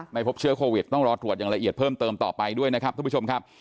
ไม่พบเชื้อโควิดต้องรอตรวจอย่างละเอียดเพิ่มเติมต่อไปด้วยนะครับทุกผู้ชมครับ